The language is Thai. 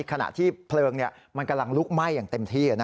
ขณะที่เพลิงมันกำลังลุกไหม้อย่างเต็มที่